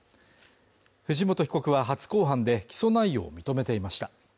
藤本被告は初公判で起訴内容を認めていました